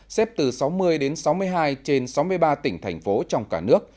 xếp từ sáu mươi đến sáu mươi hai trên sáu mươi ba tỉnh thành phố trong cả nước